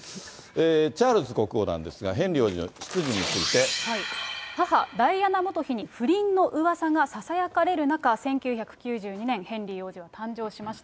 チャールズ国王なんですが、母、ダイアナ元妃に不倫のうわさがささやかれる中、１９９２年、ヘンリー王子は誕生しました。